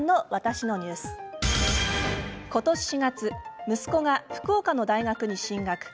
今年４月息子が福岡の大学に進学。